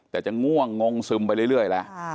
แต่จะง่วงงงซึมไปเรื่อยแล้ว